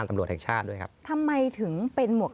สนุนโดยอีซุสุข